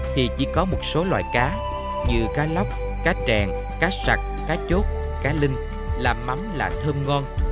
thì chỉ có một số loài cá như cá lóc cá trèn cá sạch cá chốt cá linh làm mắm là thơm ngon